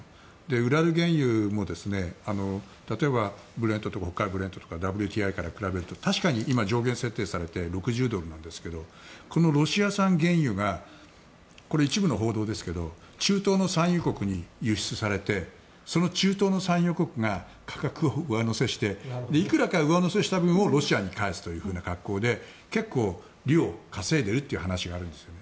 ウラル原油も例えばブレントとか北海ブレントとかＷＴＩから比べると上限を設定されて６０ドルなんですがロシア産原油が一部の報道ですが中東の産油国に輸出されてその中東の産油国が価格を上乗せしていくらか上乗せした分をロシアに返すという格好で結構、利を稼いでいるという話があるんですよね。